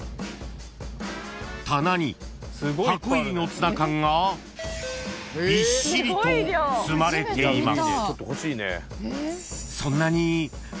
［棚に箱入りのツナ缶がびっしりと積まれています］